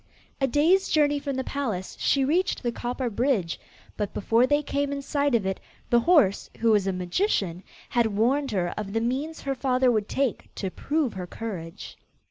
A day's journey from the palace, she reached the copper bridge, but before they came in sight of it, the horse, who was a magician, had warned her of the means her father would take to prove her courage.